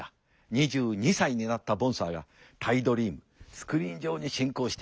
２２歳になったボンサーがタイドリームスクリーン上に進行していく。